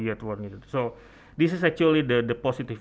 jadi ini sebenarnya yang positif